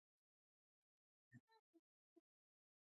د دې نه علاوه يوه غټه وجه